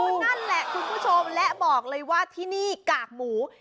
นั่นแหละคุณผู้ชมและบอกเลยว่าที่นี่กากหมู